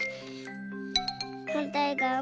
はんたいがわも。